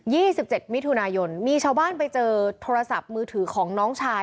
สิบเจ็ดมิถุนายนมีชาวบ้านไปเจอโทรศัพท์มือถือของน้องชาย